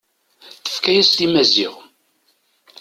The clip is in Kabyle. Tefka-yas-t i Maziɣ.